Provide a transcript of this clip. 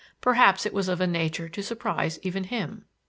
Perhaps it was of a nature to surprise even him.